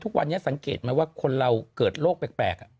ทุกวันนี้สังเกตไหมว่าคนเราเกิดโรคแปลก